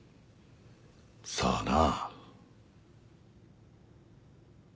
さあな。